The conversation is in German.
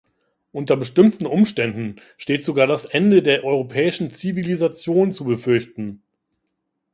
Unter bestimmten Umständen steht sogar das Ende der europäischen Zivilisation zu befürchten.